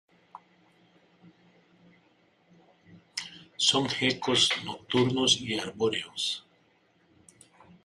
Son gecos nocturnos y arbóreos.